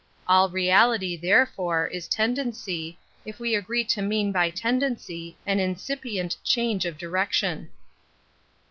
All reality, therefore, is tendency, if we agree to mean hy tendency an incipient change of direction.